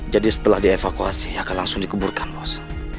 jadi setelah dievakuasi akan langsung dikeburkan bos